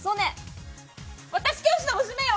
「私、教師の娘よ！」。